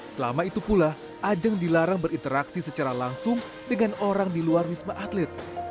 selama itu pula ajang dilarang berinteraksi secara langsung dengan orang di luar wisma atlet